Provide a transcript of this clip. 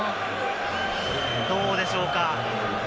どうでしょうか？